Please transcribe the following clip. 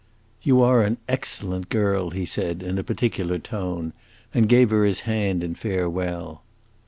"You are an excellent girl!" he said, in a particular tone, and gave her his hand in farewell.